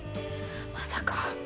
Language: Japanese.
まさか。